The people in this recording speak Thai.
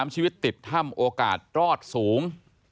ชีวิตติดถ้ำโอกาสรอดสูง